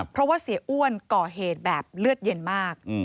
เพราะว่าเสียอ้วนก่อเหตุแบบเลือดเย็นมาก